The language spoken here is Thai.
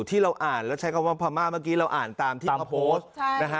ที่เราอ่านแล้วใช้คำว่าพม่าเมื่อกี้เราอ่านตามที่เขาโพสต์นะฮะ